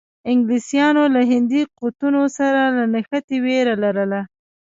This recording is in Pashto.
انګلیسانو له هندي قوتونو سره له نښتې وېره لرله.